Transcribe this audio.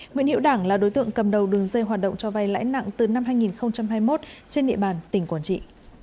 nguyễn hiệu đảng là đối tượng cầm đầu đường dây hoạt động cho vay lãi nặng từ năm hai nghìn hai mươi một trên địa bàn tỉnh quảng trị